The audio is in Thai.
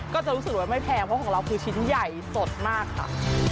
ก็จะรู้สึกว่าไม่แพงเพราะของเราคือชิ้นใหญ่สดมากค่ะ